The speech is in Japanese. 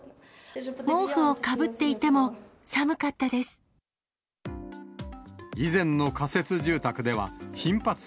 毛布をかぶっていても寒かったです。